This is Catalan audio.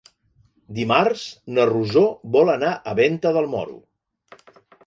Dimarts na Rosó vol anar a Venta del Moro.